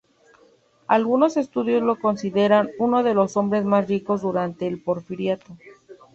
Algunos estudiosos lo consideran uno de los hombres más ricos durante el Porfiriato.